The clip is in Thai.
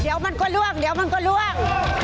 เดี๋ยวมันก็ล่วงเดี๋ยวมันก็ล่วง